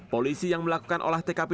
polisi yang melakukan olah tkp